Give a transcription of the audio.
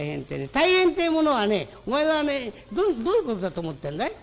大変てえものはねお前はねどういうことだと思ってんだい？